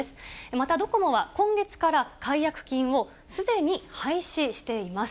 またドコモは今月から解約金をすでに廃止しています。